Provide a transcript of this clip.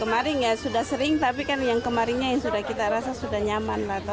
kemarin ya sudah sering tapi kan yang kemarinnya yang sudah kita rasa sudah nyaman lah